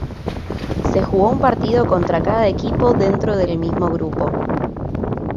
Se jugó un partido contra cada equipo dentro del mismo grupo.